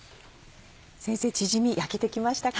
先生チヂミ焼けてきましたか？